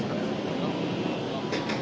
dan juga untuk di jakarta